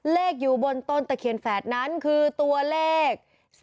อยู่บนต้นตะเคียนแฝดนั้นคือตัวเลข